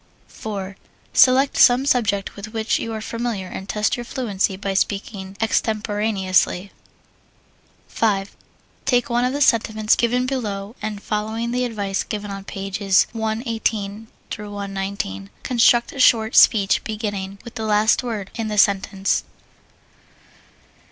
4. Select some subject with which you are familiar and test your fluency by speaking extemporaneously. 5. Take one of the sentiments given below and, following the advice given on pages 118 119, construct a short speech beginning with the last word in the sentence.